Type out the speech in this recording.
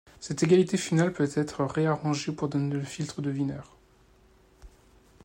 Cette égalité finale peut être réarrangée pour donner le filtre de Wiener.